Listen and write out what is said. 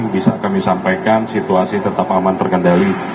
bisa kami sampaikan situasi tetap aman terkendali